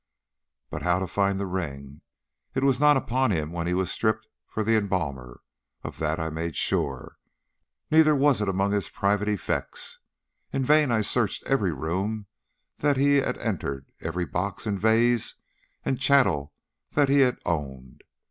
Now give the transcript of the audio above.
"But how to find the ring? It was not upon him when he was stripped for the embalmer. Of that I made sure. Neither was it among his private effects. In vain I searched every room that he had entered, every box, and vase, and chattel that he had owned.